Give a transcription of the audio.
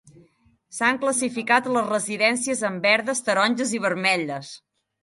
S'han classificat les residències en verdes, taronges i vermelles.